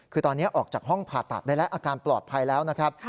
คือตอนนี้ออกจากห้องผ่าตัดได้แล้วอาการปลอดภัยแล้วนะครับ